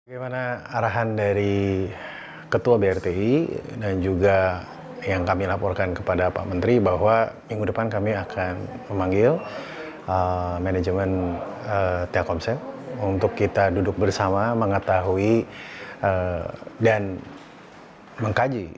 bagaimana arahan dari ketua brti dan juga yang kami laporkan kepada pak menteri bahwa minggu depan kami akan memanggil manajemen telkomsel untuk kita duduk bersama mengetahui dan mengkaji